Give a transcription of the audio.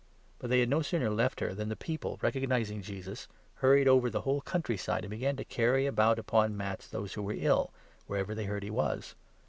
But they had 54 no sooner left her than the people, recognizing Jesus, hurried 55 over the whole country side, and began to carry about upon mats those who were ill, wherever they heard he was.